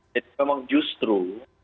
jadi memang justru